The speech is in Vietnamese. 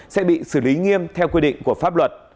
sẽ bị xử lý nghiêm theo quy định của pháp luật